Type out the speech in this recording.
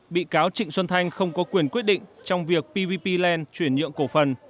bị cáo trịnh xuân thanh không có quyền quyết định trong việc pvp land chuyển nhượng cổ phần